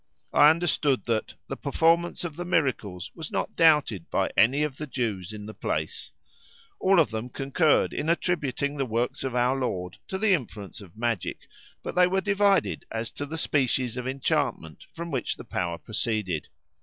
I understood that the performance of the miracles was not doubted by any of the Jews in the place. All of them concurred in attributing the works of our Lord to the influence of magic, but they were divided as to the species of enchantment from which the power proceeded.